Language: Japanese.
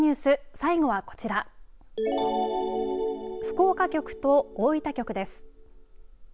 最後はこちら福岡局と大分局です。